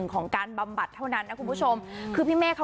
ขอบคุณค่ะ